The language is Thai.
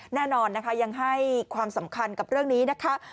แน่นอนนะคะยังให้ความสำคัญกับเรื่องนี้นะคะ